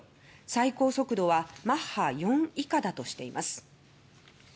最高速度はマッハ４以下だとしています。